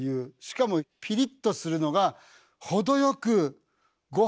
しかもピリッとするのがほどよくごはんと合って。